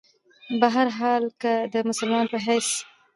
بهرحال کۀ د مسلمان پۀ حېث